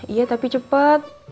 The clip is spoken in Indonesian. iya tapi cepet